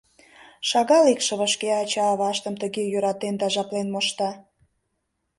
Шагал икшыве шке ача-аважым тыге йӧратен да жаплен мошта.